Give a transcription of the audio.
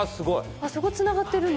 あっそこつながってるのか。